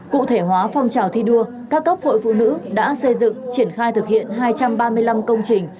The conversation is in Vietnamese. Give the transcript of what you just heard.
cụ thể hóa phong trào thi đua các cấp hội phụ nữ đã xây dựng triển khai thực hiện hai trăm ba mươi năm công trình